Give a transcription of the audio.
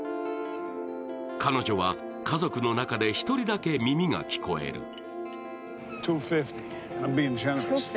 彼女は家族の中で１人だけ耳が聞こえる。